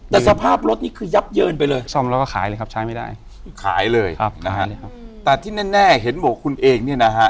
แต่สภาพรถนี้คือยับเยินไปเลย